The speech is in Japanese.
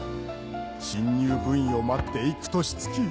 新入部員を待って幾歳月。